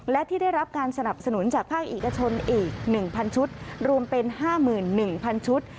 และที่ได้รับการสนับสนุนจากภาคเอกชนอีก๑๐๐ชุดรวมเป็น๕๑๐๐ชุด